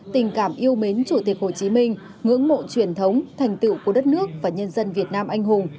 tình cảm yêu mến chủ tịch hồ chí minh ngưỡng mộ truyền thống thành tựu của đất nước và nhân dân việt nam anh hùng